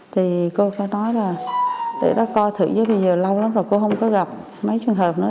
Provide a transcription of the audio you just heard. thì cô cho nói là để đó coi thử bây giờ lâu lắm rồi cô không có gặp mấy trường hợp nữa